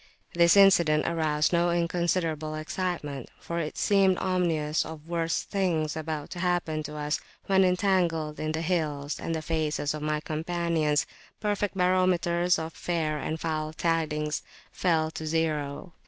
This incident aroused no inconsiderable excitement, for it seemed ominous of worse things about to happen to us when entangled in the hills, and the faces of my companions, perfect barometers of fair and foul tidings, fell to zero.